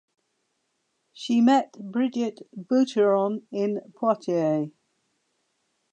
She met Brigette Boucheron in Poitiers.